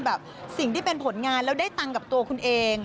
สิ่งที่เป็นผลงานแล้วได้ตังค์กับตัวคุณเอง